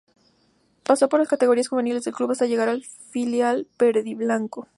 Pasó por las categorías juveniles del club hasta llegar al filial verdiblanco.